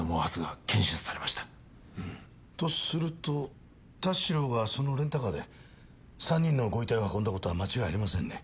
とすると田代はそのレンタカーで３人のご遺体を運んだ事は間違いありませんね。